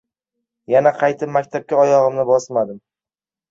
Yana qaytib maktabga oyog‘imni bosmadim.